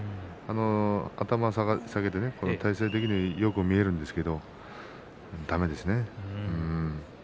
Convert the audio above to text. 頭を下げて体勢的によく見えるんですけれどだめですね。